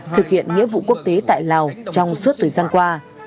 thực hiện nghĩa vụ quốc tế tại lào trong suốt thời gian qua